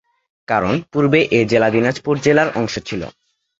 কারণ পূর্বে এ জেলা দিনাজপুর জেলার অংশ ছিল।